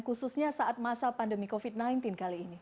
khususnya saat masa pandemi covid sembilan belas kali ini